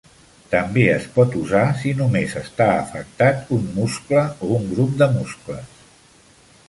També es pot usar si només està afectat un muscle o un grup de muscles.